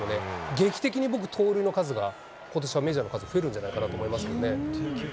劇的に僕、盗塁の数が、ことしはメジャーの数、増えるんじゃないかと思いますけどね。